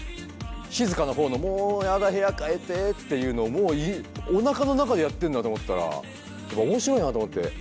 静かなほうのもう嫌だ部屋変えてっていうのをもうおなかの中でやってるんだと思ったら面白いなと思って。